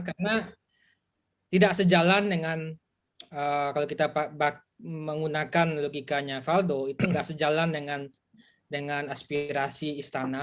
karena tidak sejalan dengan kalau kita menggunakan logikanya faldo itu tidak sejalan dengan aspirasi istana